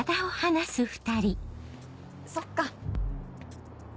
そっか。